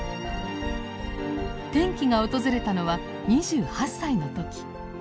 転機が訪れたのは２８歳の時。